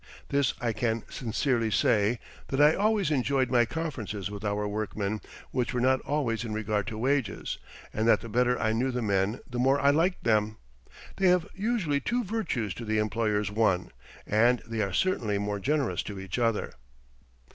This I can sincerely say that I always enjoyed my conferences with our workmen, which were not always in regard to wages, and that the better I knew the men the more I liked them. They have usually two virtues to the employer's one, and they are certainly more generous to each other.